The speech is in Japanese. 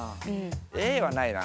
Ａはないな。